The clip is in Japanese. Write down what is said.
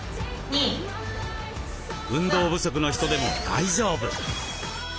運動不足の人でも大丈夫。